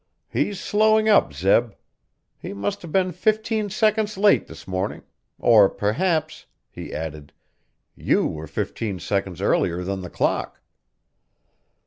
"He's slowing up, Zeb. He must have been fifteen seconds late this morning or perhaps," he added "you were fifteen seconds earlier than the clock."